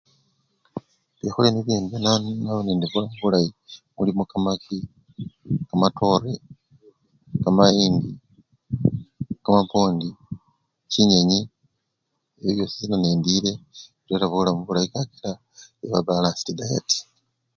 Bilyo nibyo endya naba nende bulamu bulayi, mulimo kamaki, kamatore, kamayindi, kamapwondi, chinyenyi ebyo byosi nga nendile birera bulamu bulayi kakila eba balansiti dayate.